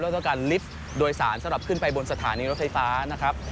ต้องการลิฟต์โดยสารสำหรับขึ้นไปบนสถานีรถไฟฟ้านะครับ